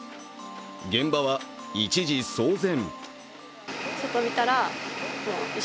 現場は一時騒然。